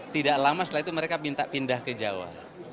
tidak lama setelah itu mereka minta pindah ke jawa